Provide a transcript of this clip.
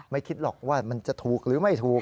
คิดหรอกว่ามันจะถูกหรือไม่ถูก